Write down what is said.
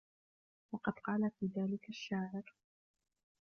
وَقَدْ قَالَ فِي ذَلِكَ الشَّاعِرُ